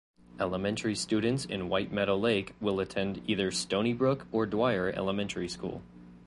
Elementary students in White Meadow Lake will attend either Stonybrook or Dwyer Elementary School.